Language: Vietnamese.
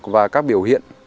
và các biểu hiện